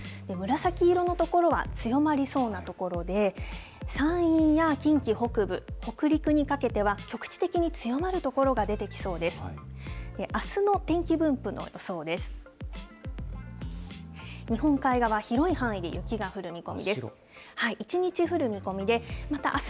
紫色の所は、強まりそうな所で、山陰や近畿北部、北陸にかけては、局地的に強まる所が出てきそうです。